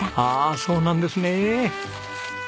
ああそうなんですね。